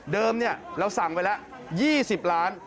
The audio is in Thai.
เดิมเราสั่งไว้แล้ว๒๐ล้าน